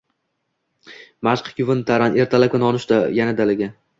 Mashq, yuvin-taran, ertalabki nonushta. Yana dalaga.